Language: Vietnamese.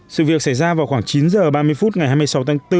sự việc xảy ra vào khoảng chín h ba mươi phút ngày hai mươi sáu tháng bốn